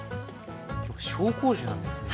紹興酒なんですね。